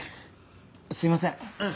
すいません。